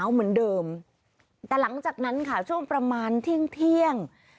เอาเหมือนเดิมแต่หลังจากนั้นค่ะช่วงประมาณเที่ยงเที่ยง